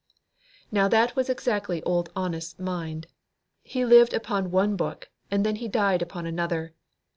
Now, that was exactly Old Honest's mind. He lived upon one book, and then he died upon another.